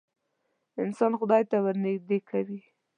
انسان خدای ته ورنیږدې کوې.